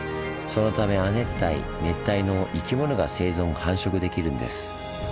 そのため亜熱帯・熱帯の生き物が生存・繁殖できるんです。